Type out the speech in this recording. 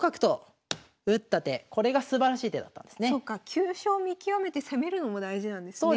急所を見極めて攻めるのも大事なんですね。